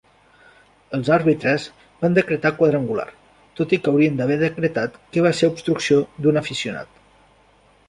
Els àrbitres van decretar quadrangular tot i que haurien d'haver decretat que va ser obstrucció d'un aficionat.